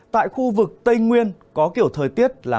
tại khu vực tây nguyên có kiểu thời tiết là